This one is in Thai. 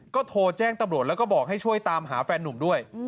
ก็โทรแจ้งตำรวจแล้วก็บอกให้ช่วยตามหาแฟนนุ่มด้วย